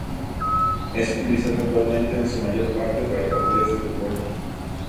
Es utilizado actualmente en su mayor parte para partidos de fútbol.